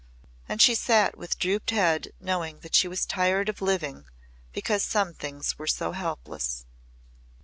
And she sat with drooped head knowing that she was tired of living because some things were so helpless.